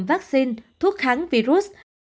vaccine thuốc kháng virus